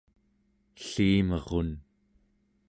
ellimerun